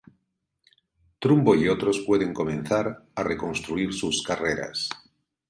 Trumbo y otros pueden comenzar a reconstruir sus carreras.